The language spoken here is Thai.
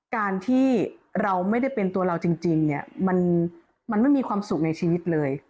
การที่เราไม่ได้เป็นตัวเราจริงเนี่ยมันไม่มีความสุขในชีวิตเลย